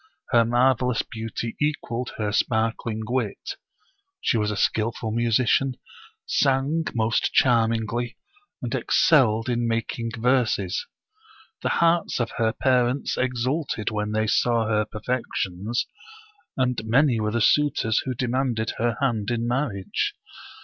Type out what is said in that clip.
Her marvel ous beauty equaled her sparkling wit. She was a skillful musician, sang most charmingly, and excelled in making verses. The hearts of her parents exulted when they saw her perfections, and many were the suitors who demanded her hand in marriage.